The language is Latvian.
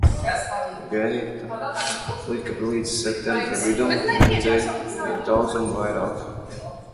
Genita palika līdz septembra vidum un redzēja daudz vairāk.